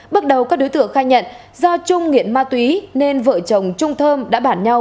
bước đầu các đối tượng khai nhận do chung nghiện ma túy nên vợ chồng trung thơm đã bản nhau